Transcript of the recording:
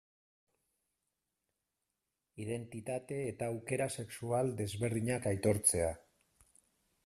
Identitate eta aukera sexual desberdinak aitortzea.